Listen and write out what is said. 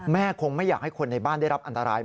คงไม่อยากให้คนในบ้านได้รับอันตราย